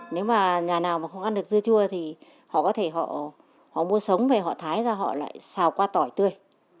nếu mà nhà nào mà không ăn được dưa thì họ có thể họ mua sống về họ thái ra họ lại xào qua tỏi tươi